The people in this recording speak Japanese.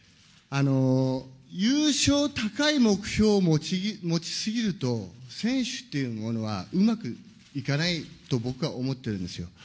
優勝、高い目標を持ちすぎると、選手っていうものはうまくいかないと僕は思ってるんですよ。